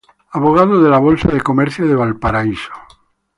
Abogado de la Bolsa de Comercio de Valparaíso.